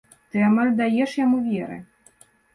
Ты амаль даеш яму веры.